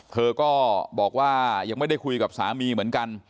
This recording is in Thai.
เธอก็บอกว่ายังไม่ได้คุยกับสามีเหมือนกัน